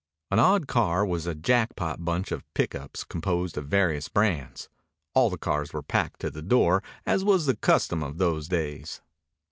An odd car was a jackpot bunch of pickups composed of various brands. All the cars were packed to the door, as was the custom of those days.